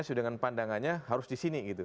sesuai dengan pandangannya harus disini gitu